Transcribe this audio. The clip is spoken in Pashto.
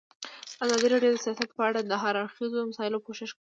ازادي راډیو د سیاست په اړه د هر اړخیزو مسایلو پوښښ کړی.